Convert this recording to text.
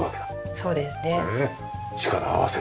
そうです。